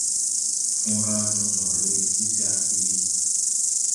Fõõra jɔŋ jɔŋre ti CRTV.